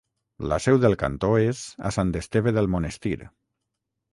La seu del cantó és a Sant Esteve del Monestir.